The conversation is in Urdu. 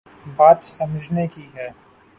بات سمجھنے کی ہے۔